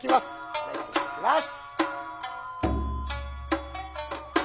お願いいたします。